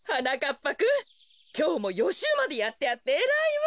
ぱくんきょうもよしゅうまでやってあってえらいわ。